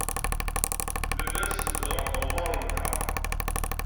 Nella nsenned ɣef tɣemmar-nteɣ.